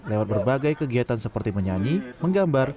lewat berbagai kegiatan seperti menyanyi menggambar